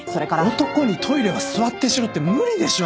男にトイレは座ってしろって無理でしょ。